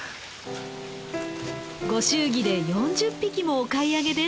ご祝儀で４０匹もお買い上げです。